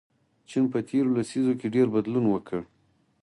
چین په تیرو لسیزو کې ډېر بدلون وکړ.